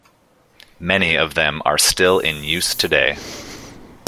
Many of them are still in use today.